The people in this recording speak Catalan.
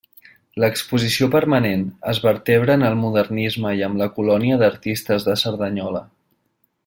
L'exposició permanent es vertebra en el modernisme i amb la colònia d'artistes de Cerdanyola.